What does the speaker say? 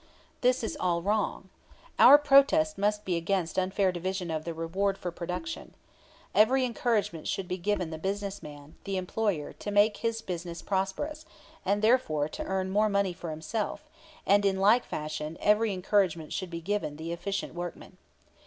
This is all wrong. Our protest must be against unfair division of the reward for production. Every encouragement should be given the business man, the employer, to make his business prosperous, and therefore to earn more money for himself; and in like fashion every encouragement should be given the efficient workman.